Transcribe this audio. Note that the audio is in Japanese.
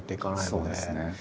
そうですね。